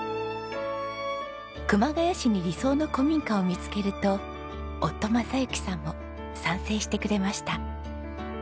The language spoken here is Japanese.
熊谷市に理想の古民家を見つけると夫正行さんも賛成してくれました。